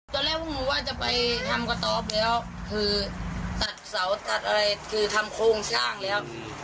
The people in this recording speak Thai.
ตอนแรกพวกหนูว่าจะไปทำกระต๊อบแล้วคือตัดเสาตัดอะไรคือทำโครงสร้างแล้ว